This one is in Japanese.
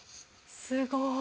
すごい。